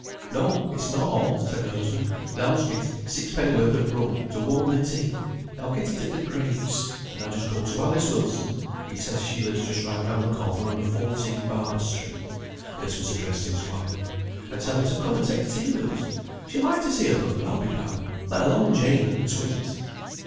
"No, it's not all," said her husband. "Thou must get sixpennyworth of rum, to warm the tea; thou'll get it at the 'Grapes.' And thou just go to Alice Wilson; he says she lives just right round the corner, under 14, Barber Street" (this was addressed to his wife), "and tell her to come and take her tea with us; she'll like to see her brother, I'll be bound, let alone Jane and the twins."